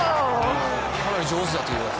かなり上手だといううわさ。